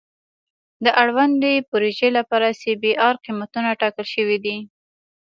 د اړوندې پروژې لپاره سی بي ار قیمتونه ټاکل شوي دي